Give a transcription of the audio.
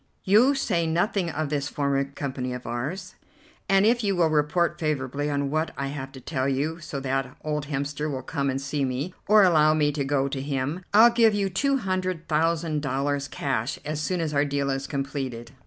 You say nothing of this former company of ours, and if you will report favourably on what I have to tell you so that old Hemster will come and see me, or allow me to go to him, I'll give you two hundred thousand dollars cash as soon as our deal is completed."